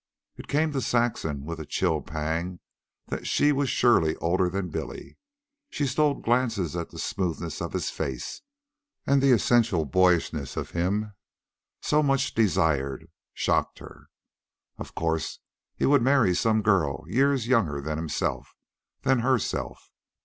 It came to Saxon with a chill pang that she was surely older than Billy. She stole glances at the smoothness of his face, and the essential boyishness of him, so much desired, shocked her. Of course he would marry some girl years younger than himself, than herself.